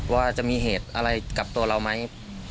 ว่าจะมีเหตุอะไรกับตัวเราไหม